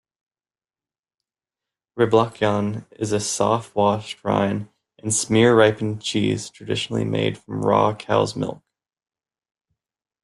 Reblochon is a soft washed-rind and smear-ripened cheese traditionally made from raw cow's milk.